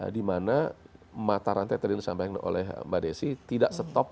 dimana mata rantai tadi disampaikan oleh mbak desi tidak stop